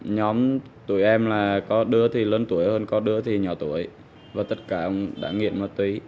nhóm tụi em là có đưa thì lớn tuổi hơn có đưa thì nhỏ tuổi và tất cả ông đã nghiện ma túy